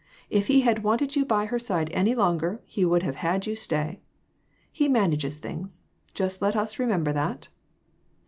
If he had wanted you by her side any longer he would have had you stay. He manages things; just let us remember that."